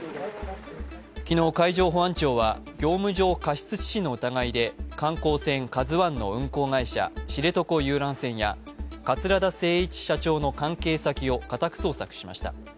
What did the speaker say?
昨日、海上保安庁は業務上過失致死の疑いで観光船「ＫＡＺＵⅠ」の運航会社、知床遊覧船や桂田精一社長の関係先を家宅捜索しました。